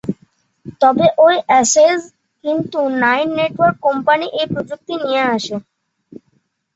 তবে ঐ অ্যাশেজ কিন্তু নাইন নেটওয়ার্ক কোম্পানি এই প্রযুক্তি নিয়ে আসে।